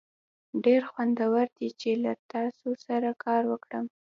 ډیر خوندور دی چې له تاسو سره کار وکړم.